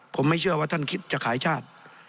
ผมไม่เชื่อว่าท่านคิดจะขายชาติ